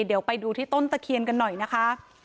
เดี๋ยวไปดูที่ต้นตะเคียนกันหน่อยนะคะ